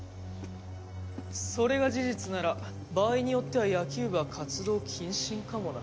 それが事実なら場合によっては野球部は活動謹慎かもな。